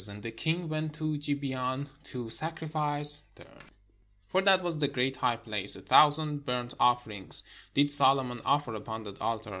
And the king went to Gibeon to sacrifice there; for that was the great high place: a thousand burnt offerings did Solomon offer upon that altar.